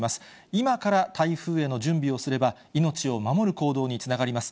今から台風への準備をすれば、命を守る行動につながります。